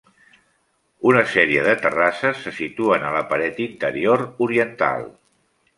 Una sèrie de terrasses se situen a la paret interior oriental.